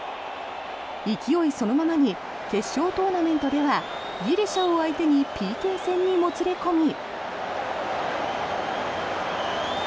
勢いそのままに決勝トーナメントではギリシャを相手にＰＫ戦にもつれ込み。